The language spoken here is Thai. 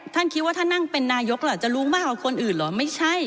คิดว่าถ้านั่งเป็นนายกล่ะจะรู้มากกว่าคนอื่นเหรอไม่ใช่